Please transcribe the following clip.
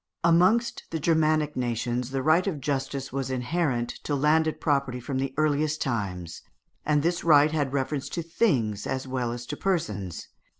Amongst the Germanic nations the right of justice was inherent to landed property from the earliest times, and this right had reference to things as well as to persons.